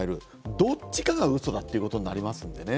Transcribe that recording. どっちかが嘘だってことになりますね。